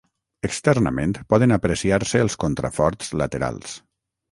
Externament poden apreciar-se els contraforts laterals.